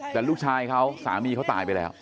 แต่ลูกชายเขาสามีเขาตายไปแล้ว